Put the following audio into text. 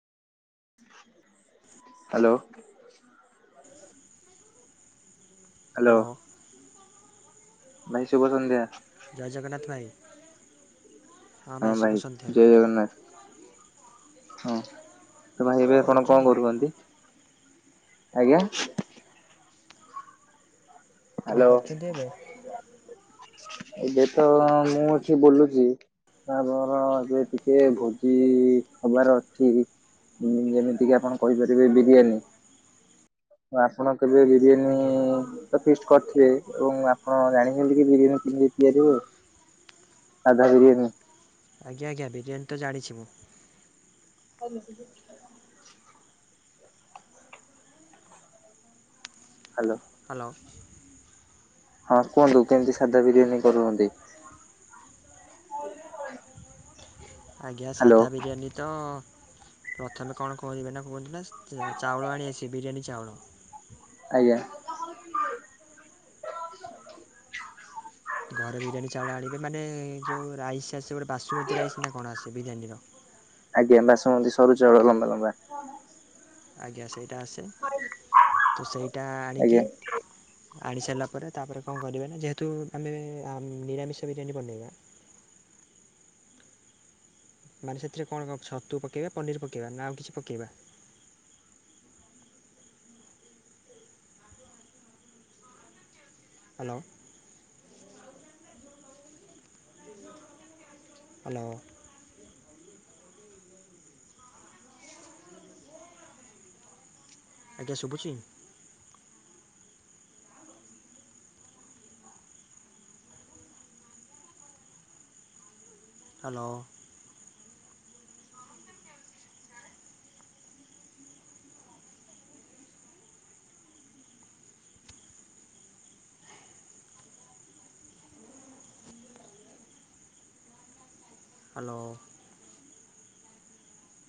ଲୋ। Hello. ଭାଇ ଶୁଭ ସଂନ୍ଧ୍ୟା। ଜୟ ଜଗନ୍ନାଥ ଭାଇ। ହଁ ଭାଇ ଜୟ ଜଗନ୍ନାଥ। ହଁ ତ ଭାଇ ଏବେ ଆପଣ କଣ କରୁଚନ୍ତି। ଆଜ୍ଞା। କଣ କରୁଛନ୍ତି ଏବେ ଏବେ ତ ମୁଁ ଅଛି ବୁଲୁଚି। ଆମର ଏ ଟିକେ ଯେ ଭୋଜି ହବାର ଅଛି। ଉଁ ଯେମିତି କିି ଆପଣ କହିପାରିବେ ବିରିୟାନୀ। ତ ଆପଣ କେବେ ବିରିୟାନୀ ଆଜ୍ଞା। ତ ଫିଷ୍ଟ କରିଥିବେ ଏବଂ ଆପଣ ଜାଣିଛନ୍ତି କି ବିରିୟାନୀ କିମିତି ତିଆରିି ହୁଏ। ସାଧା ବିରିୟାନୀ। ଆଜ୍ଞା ଆଜ୍ଞା ବିରିୟାନି ତ ଜାଣିଛି ମୁଁ। [unintelligible] ହ୍ୟାଲୋ। ହ୍ୟାଲୋ। ହଁ କୁହନ୍ତୁ କେମିତି ସାଧା ବିରିୟାନୀ କରୁଚନ୍ତି। [inaudible] ଆଜ୍ଞା ହ୍ୟାଲୋ ସାଧା ବିରିୟାନୀ ତ ପ୍ରଥମେ କଣ କୁହନ୍ତିି କବେ ନା କୁହନ୍ତୀ ନା ଚାଉଳ ଆଣି ଆସିବେ ବିରିୟାନୀ ଚାଉଳ। ଆଜ୍ଞା। ଘରେ ବିରିୟାନୀ ଚାଉଳ ଆଣିବେ ମାନେ ଯୋଉ ରାଇସ୍ ଆସେ ଗୋଟେ ବାସୁମତୀ ରାଇସ୍ ନା କଣ ଆସେ ବିରିୟାନୀର। ଆଜ୍ଞା ବାସୁମତୀ ସରୁ ଚାଉଳ ଲମ୍ବା ଲମ୍ବା। ଆଜ୍ଞା ସେଇଟା ଆସେ ତ ସେଇଟା ଆଣିକି ଆଜ୍ଞା ଆଣି ସାଇଲା ପରେ ତାପରେ କଣ କରିବେ ନା ଯେହେତୁ ଆମେ ଆ ନିରାମିଷ ବିରିୟାନୀ ବନେଇବା। ମାନେ ସେଥିରେ କଣ କଣ ଛତୁ ପକେଇବା ପନିର ପକେଇବା ନା ଆଉ କିଛି ପକେଇବା। ହ୍ୟାଲୋ। ହ୍ୟାଲୋ। [inaudible] ଆଜ୍ଞା ଶୁଭୁଛି। ହାଲୋ। ହାଲୋ।